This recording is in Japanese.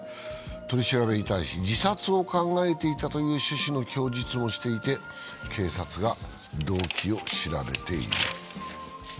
取り調べに対し、自殺を考えていたという趣旨の供述をしていて警察が動機を調べています。